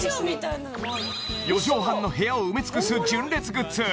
四畳半の部屋を埋め尽くす純烈グッズ